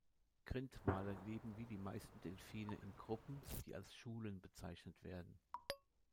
Grindwale leben wie die meisten Delfine in Gruppen, die als Schulen bezeichnet werden.